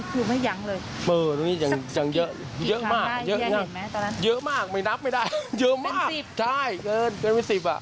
ทุกคนตะโกนห้ามไม่ใช่เหรอ